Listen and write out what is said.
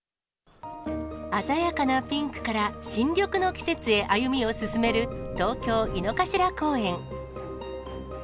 鮮やかなピンクから新緑の季節へ歩みを進める東京・井の頭公園。